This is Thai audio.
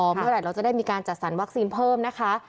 เมื่อไหร่เราจะได้มีการจัดสรรวัคซีนเพิ่มนะคะ